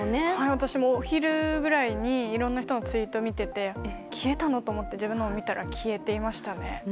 私もお昼ぐらいにいろんな人のツイートを見てて消えたの？と思って自分のを見たら消えていましたね。